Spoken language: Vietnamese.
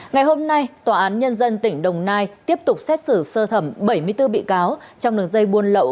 ngày hôm nay tòa án nhân dân tỉnh đồng nai tiếp tục xét xử sơ thẩm bảy mươi bốn bị cáo trong đường dây buôn lậu